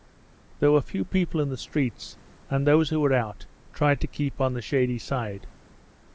There were few people in the streets, and those who were out tried to keep on the shady side.